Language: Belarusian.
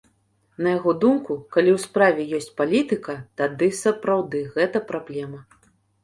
На яго думку, калі ў справе ёсць палітыка, тады сапраўды гэта праблема.